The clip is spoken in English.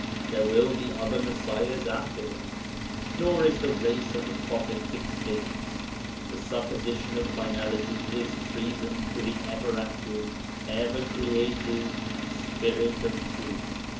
There will be other Messiahs after Him, nor is the race of the prophets extinct. The supposition of finality is treason to the ever active, ever creative Spirit of Truth.